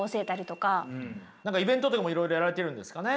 何かイベントとかもいろいろやられてるんですかね。